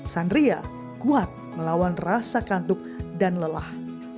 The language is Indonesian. sandria kuat melawan rasa kantuk dan lelah